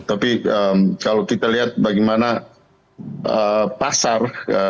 tapi kalau kita lihat bagaimana pasar